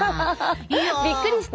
いや。びっくりした？